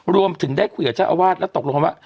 รวมถึงได้คุยกับเจ้าอาวาสแล้วตกลงกันว่า